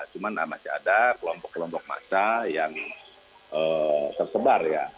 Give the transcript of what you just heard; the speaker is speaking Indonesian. cuma masih ada kelompok kelompok massa yang tersebar ya